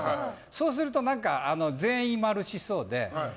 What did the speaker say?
そうすると、全員○しそうで。